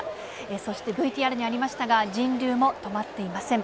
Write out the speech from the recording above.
そしてＶＴＲにありましたが、人流も止まっていません。